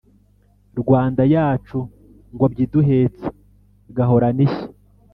rwanda yacu ngombyi iduhetse gahorane ishya